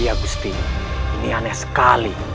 ya gusti ini aneh sekali